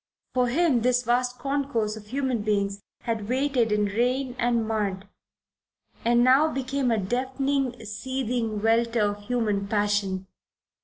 For him this vast concourse of human beings had waited in rain and mud and now became a deafening, seething welter of human passion.